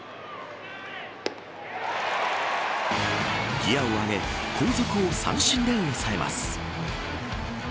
ギアを上げ後続を三振で押さえます。